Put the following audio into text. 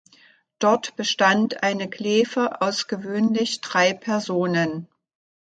Dort bestand eine Glefe aus gewöhnlich drei Personen.